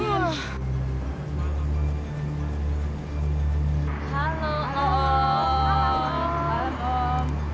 selamat malam om